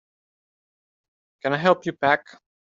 Can I help you pack?